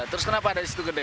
terus kenapa ada di situ gede